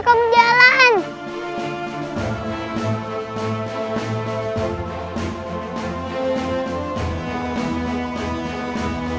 saya sudah mencoba